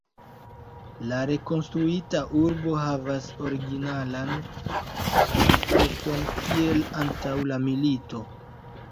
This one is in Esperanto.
La rekonstruita urbo havas originalan aspekton kiel antaŭ la milito.